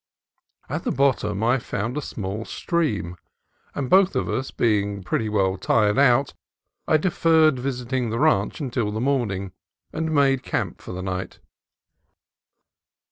At the bottom I found a small stream, and, both of us being pretty well tired out, I deferred visiting the ranch until the morning and made camp for the night.